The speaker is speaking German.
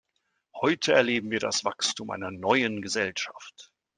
Heute erleben wir das Wachstum einer neuen Gesellschaft.